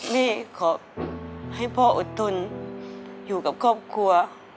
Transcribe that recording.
นี่ขอให้พ่ออดทนอยู่กับครอบครัว